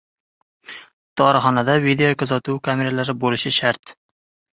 Dorixonalarda video kuzatuv kameralari bo‘lishi shart